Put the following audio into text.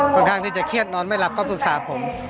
ค่อนข้างที่จะเครียดนอนไม่หลับก็ปรึกษาผม